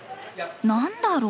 何だろう？